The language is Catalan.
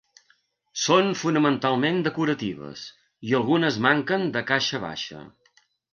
Són fonamentalment decoratives, i algunes manquen de caixa baixa.